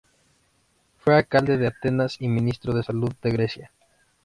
Fue alcalde de Atenas y Ministro de Salud de Grecia.